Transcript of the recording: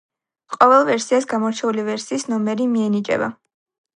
ყოველ ვერსიას გამორჩეული ვერსიის ნომერი მიენიჭება.